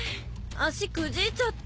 足くじいちゃった。